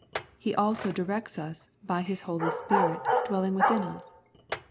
He also directs us hy His Holy Spirit dwelling within us.